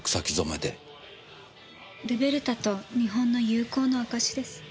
ルベルタと日本の友好の証しです。